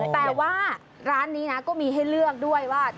แต่ว่าร้านนี้นะก็มีให้เลือกด้วยว่า